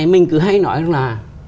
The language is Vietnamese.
mình cứ hay nói là